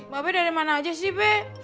mbak be dari mana aja sih be